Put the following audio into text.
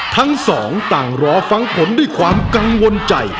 ทั้งสองต่างรอฟังผลด้วยความกังวลใจ